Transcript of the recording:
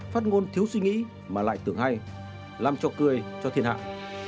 phát ngôn thiếu suy nghĩ mà lại tưởng hay làm cho cười cho thiên hạng